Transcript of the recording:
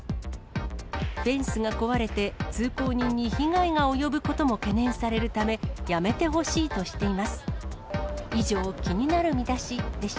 フェンスが壊れて、通行人に被害が及ぶことも懸念されるため、やめてほしいとしています。